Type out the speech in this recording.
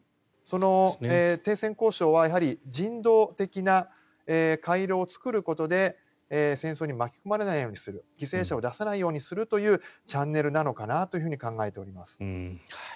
その停戦交渉はやはり人道的な回廊を作ることで戦争に巻き込まれないようにする犠牲者を出さないようにするというチャンネルなのかなと考えています。